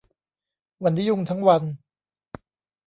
วันนี้ยุ่งทั้งวัน